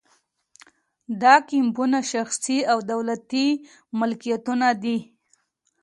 دا کیمپونه شخصي او دولتي ملکیتونه دي